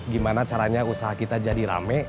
gimana caranya usaha kita jadi rame